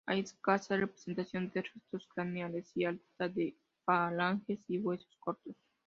Hay escasa representación de restos craneales y alta de falanges y huesos cortos.